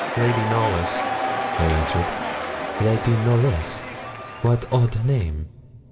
'Lady Knollys,' I answered. 'Lady Knollys wat odd name!